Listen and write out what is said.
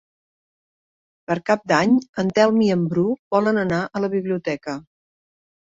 Per Cap d'Any en Telm i en Bru volen anar a la biblioteca.